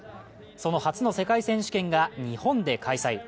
その初の世界選手権が日本で開催。